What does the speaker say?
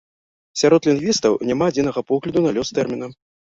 Сярод лінгвістаў няма адзінага погляду на лёс тэрміна.